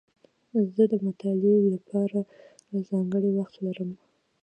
زه د مطالعې له پاره ځانګړی وخت لرم.